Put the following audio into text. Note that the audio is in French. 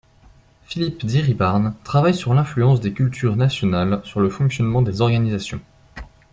Philippe d'Iribarne travaille sur l'influence des cultures nationales sur le fonctionnement des organisations.